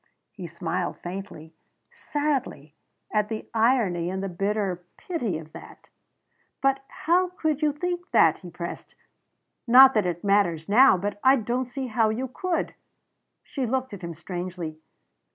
He smiled faintly, sadly, at the irony and the bitter pity of that. "But how could you think that?" he pressed. "Not that it matters now but I don't see how you could." She looked at him strangely.